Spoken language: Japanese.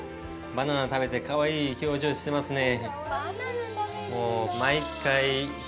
バナナ食べてかわいい表情をしていますね。